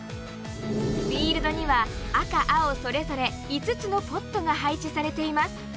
フィールドには赤青それぞれ５つのポットが配置されています。